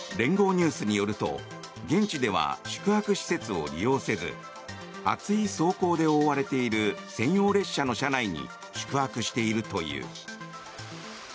ニュースによると現地では宿泊施設を利用せず厚い装甲で覆われている専用列車の車内に宿泊しているという。